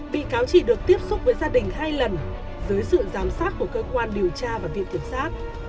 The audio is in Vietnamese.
bị cáo chỉ được tiếp xúc với gia đình hai lần dưới sự giám sát của cơ quan điều tra và viện kiểm sát